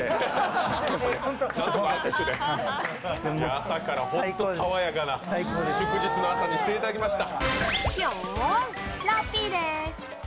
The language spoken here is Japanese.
朝から本当に爽やかな祝日の朝にしていただきました。